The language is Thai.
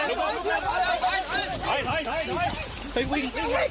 สวัสดีครับคุณผู้ชาย